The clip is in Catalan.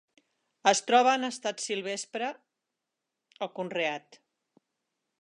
Es troba en estat silvestre o conreat.